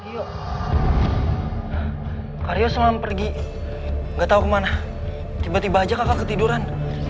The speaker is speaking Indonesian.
kak kario selama pergi gak tau kemana tiba tiba aja kakak ketiduran